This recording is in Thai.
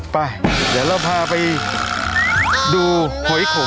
ไปเดี๋ยวเราพาไปดูหอยโขง